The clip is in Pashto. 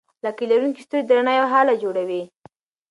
لکۍ لرونکي ستوري د رڼا یوه هاله جوړوي.